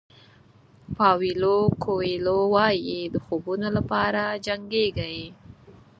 پاویلو کویلو وایي د خوبونو لپاره جنګېږئ.